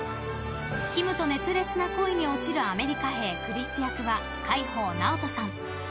キムと熱烈な恋に落ちるアメリカ兵・クリス役は海宝直人さん。